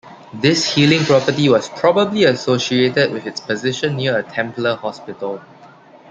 This healing property was probably associated with its position near a Templar hospital.